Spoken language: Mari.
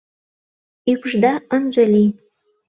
Ӱпшда ынже лий.